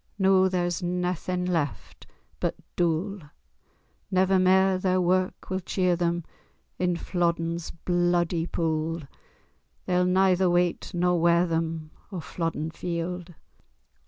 Noo there's naething left but dool,— Never mair their work will cheer them; In Flodden's bluidy pool They'll neither wait nor wear them! O Flodden Field!